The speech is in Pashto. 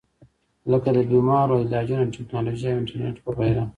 لکه د بيمارو علاجونه ، ټېکنالوجي او انټرنيټ وغېره